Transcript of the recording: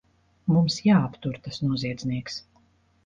Mums jāaptur tas noziedznieks!